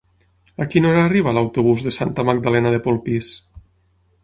A quina hora arriba l'autobús de Santa Magdalena de Polpís?